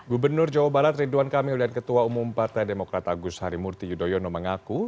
gubernur jawa barat ridwan kamil dan ketua umum partai demokrat agus harimurti yudhoyono mengaku